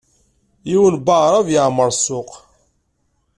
Yiwen n waɛrab yeɛmeṛ ssuq.